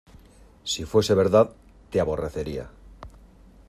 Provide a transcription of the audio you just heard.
si fuese verdad, te aborrecería...